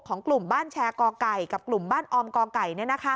ของกลุ่มบ้านแชร์กไก่กับกลุ่มบ้านออมกไก่